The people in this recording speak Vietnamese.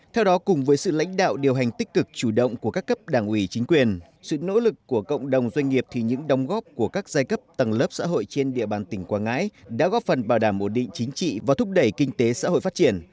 theo đó cùng với sự lãnh đạo điều hành tích cực chủ động của các cấp đảng ủy chính quyền sự nỗ lực của cộng đồng doanh nghiệp thì những đồng góp của các giai cấp tầng lớp xã hội trên địa bàn tỉnh quảng ngãi đã góp phần bảo đảm ổn định chính trị và thúc đẩy kinh tế xã hội phát triển